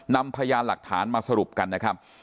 นำพยานหลักฐานมาสรุปกันนะครับ